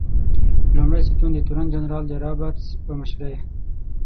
لومړی ستون د تورن جنرال رابرټس په مشرۍ.